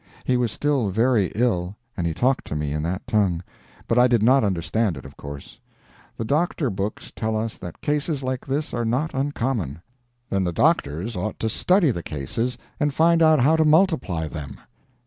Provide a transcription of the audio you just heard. He was still very ill, and he talked to me in that tongue; but I did not understand it, of course. The doctor books tell us that cases like this are not uncommon. Then the doctors ought to study the cases and find out how to multiply them.